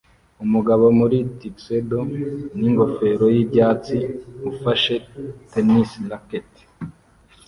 Umugabo muri tuxedo n'ingofero y'ibyatsi ufashe tennis racket